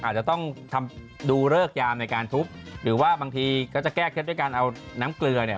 จะต้องทุบแล้วทำยังไง